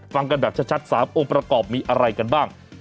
ฟังกันแบบชัด๓องค์ประกอบมีอะไรกันบ้าง